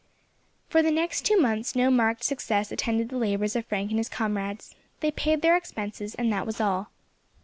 For the next two months no marked success attended the labours of Frank and his comrades, they paid their expenses, and that was all.